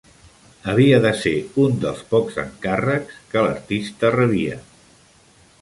Havia de ser un dels pocs encàrrecs que l'artista rebia.